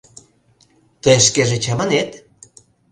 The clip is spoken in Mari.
Тый шкеже чаманет?